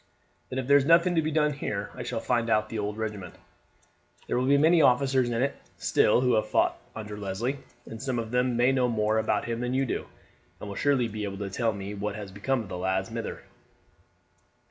"Then if there's nothing to be done here I shall find out the old regiment. There will be many officers in it still who have fought under Leslie, and some of them may know more about him than you do, and will surely be able to tell me what has become of the lad's mither."